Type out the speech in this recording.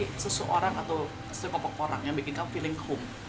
jadi seseorang atau sepupuk orang yang bikin kamu merasa berada di rumah